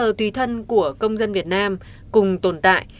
tờ tùy thân của công dân việt nam cùng tồn tại